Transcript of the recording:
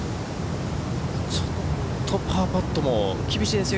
ちょっとパーパットも厳しいですよ。